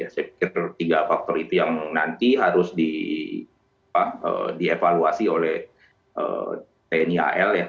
saya pikir tiga faktor itu yang nanti harus dievaluasi oleh tni al ya